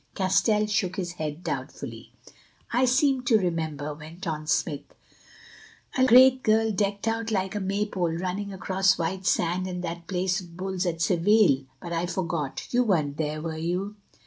Castell shook his head doubtfully. "I seem to remember," went on Smith, "a great girl decked out like a maypole running across white sand in that Place of Bulls at Seville—but I forgot, you weren't there, were you?"